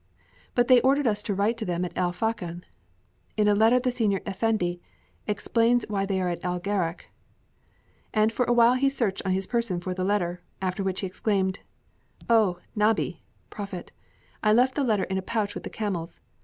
"But they ordered us to write to them at El Fachn." "In a letter the senior effendi explains why they are in El Gharak." And for a while he searched on his person for the letter, after which he exclaimed: "Oh, Nabi! (prophet) I left the letter in a pouch with the camels.